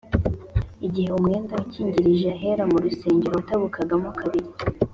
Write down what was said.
igihe umwenda ukingirije ahera mu rusengero watabukagamo kabiri